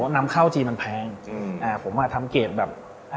ศาสตร์ธีมันแพงผมว่าทำเกดแบบ